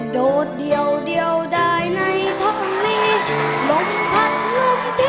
โดดเดียวได้ในท่องนี้